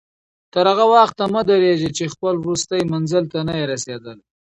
تر هغه وخته مه درېږه چې خپل وروستي منزل ته نه یې رسېدلی.